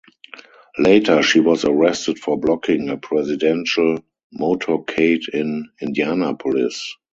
Later, she was arrested for blocking a Presidential motorcade in Indianapolis.